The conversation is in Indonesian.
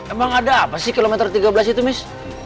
emang ada apa sih kilometer tiga belas itu mas